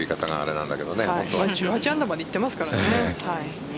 １８アンダーまでいってますからね。